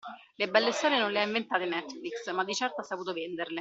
Le belle storie non le ha inventate Netflix, ma di certo ha saputo venderle.